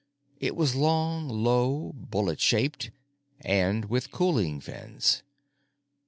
It was long, low, bullet shaped—and with cooling fins.